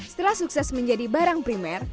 setelah sukses menjadi barang primer